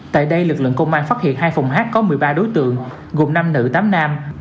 tại đây lực lượng công an phát hiện hai phòng hát có một mươi ba đối tượng gồm năm nữ tám nam